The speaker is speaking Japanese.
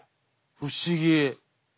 不思議。